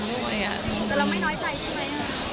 แต่เราไม่น้อยใจใช่ไหม